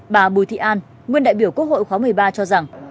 bà bùi thị an nguyên đại biểu quốc hội khóa một mươi ba cho rằng